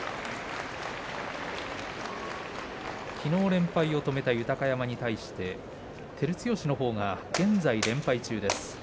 きのう連敗を止めた豊山に対して照強のほうが現在、連敗中です。